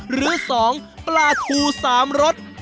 หรือ๒ปลาทู๓รส